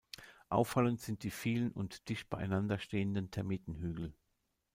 Auffallend sind die vielen und dicht beieinander stehenden Termitenhügel.